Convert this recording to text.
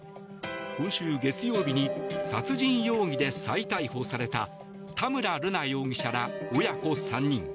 今週月曜日に殺人容疑で再逮捕された田村瑠奈容疑者ら親子３人。